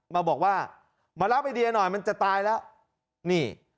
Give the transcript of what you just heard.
มาบอกว่ามารับไอเดียหน่อยมันจะตายแล้วนี่